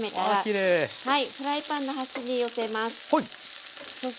フライパンの端に寄せます。